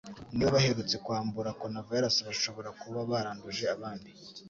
niba baherutse kwandura coronavirus bashobora kuba baranduje abandi